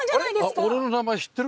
俺の名前知ってる？